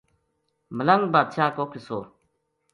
ملنگ بادشاہ کو قصو